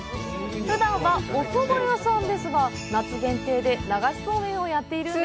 普段は、おそば屋さんですが、夏限定で流しそうめんをやっているんです。